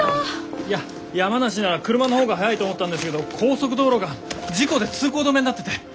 いや山梨なら車の方が早いと思ったんですけど高速道路が事故で通行止めになってて。